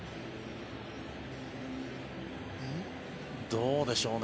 どうでしょうね